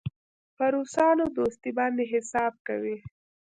پر روسانو دوستي باندې حساب کوي.